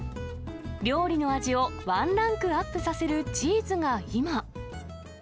料理の味をワンランクアップさせるチーズが今。